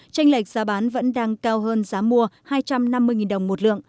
tranh lệch giá bán vẫn đang cao hơn giá mua hai trăm năm mươi đồng một lượng